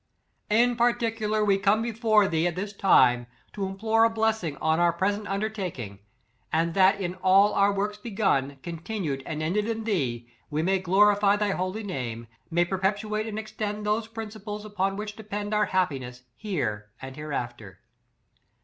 " In particular we come before thee, at this time, to implore a blessing on our present undertaking; and that in all our works begun, continued and ended in thee, we may glorify thy holy name; may per petuate and extend those principles, upon which depend our happiness here and hereafter.